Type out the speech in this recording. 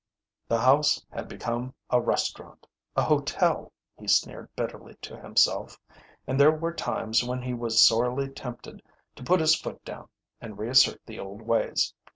The house had become a restaurant, a hotel, he sneered bitterly to himself; and there were times when he was sorely tempted to put his foot down and reassert the old ways.